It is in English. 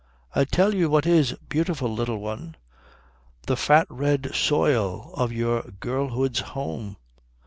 I tell you what is beautiful, Little One the fat red soil of your girlhood's home.